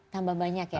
tambah banyak ya